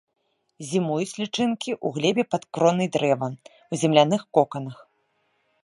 Зімуюць лічынкі ў глебе пад кронай дрэва, у земляных коканах.